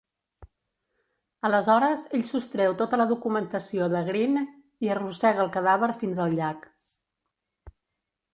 Aleshores, ell sostreu tota la documentació de Greene i arrossega el cadàver fins al llac.